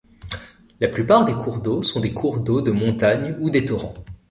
La plupart des cours d'eau sont des cours d'eau de montagne ou des torrents.